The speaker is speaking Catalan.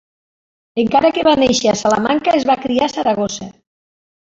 Encara que va néixer a Salamanca, es va criar a Saragossa.